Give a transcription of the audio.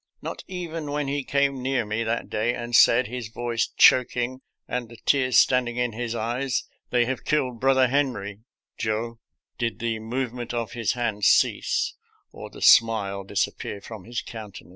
Not even when he came near me that day and said, his voice choking and the tears standing in his eyes, " They have killed brother Henry, Joe," did the movement of his hands cease or the smile disappear from his countenance.